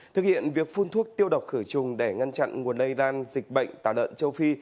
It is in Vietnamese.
thực hiện việc phun thuốc tiêu độc khử trùng để ngăn chặn nguồn lây lan dịch bệnh tả lợn châu phi